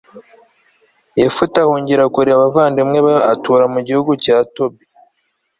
yefute ahungira kure abavandimwe be atura mu gihugu cya tobi